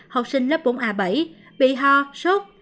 học sinh lớp bốn a bảy bị ho sốt